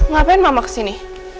ngapain mama kesini